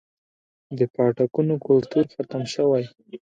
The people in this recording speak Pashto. د پاټکونو کلتور ختم شوی